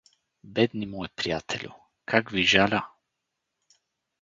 — Бедни мой приятелю, как ви жаля!